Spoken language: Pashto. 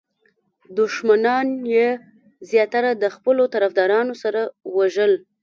دښمنان یې زیاتره د خپلو طرفدارانو سره وژل.